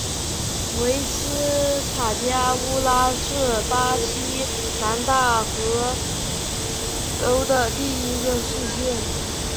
维斯塔加乌沙是巴西南大河州的一个市镇。